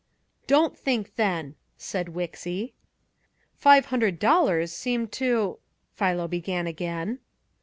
"Don't think, then," said Wixy. "Five hundred dollars seemed too " Philo began again.